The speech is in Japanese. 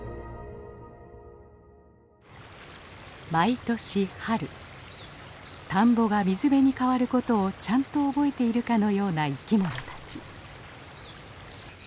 毎年春田んぼが水辺に変わることをちゃんと覚えているかのような生きものたち。